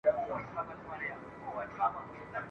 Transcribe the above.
له هغې ورځي نن شل کاله تیریږي !.